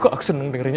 aku seneng dengernya